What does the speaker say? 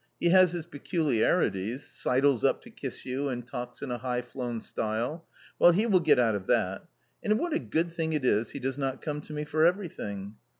He has his peculiarities .... sidles up to kiss you, and talks in a high flown style ; well he will get out of that ; and what a good thing it is he does not come to me for everything."